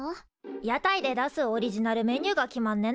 屋台で出すオリジナルメニューが決まんねんだ。